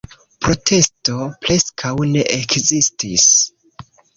Protesto preskaŭ ne ekzistis.